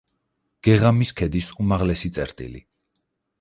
გეღამის ქედის უმაღლესი წერტილი.